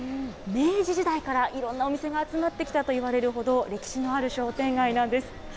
明治時代からいろんなお店が集まってきたといわれるほど、歴史のある商店街なんです。